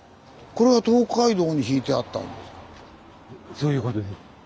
そういうことです。